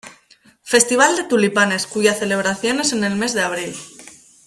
Festival de Tulipanes, cuya celebración es en el mes de abril.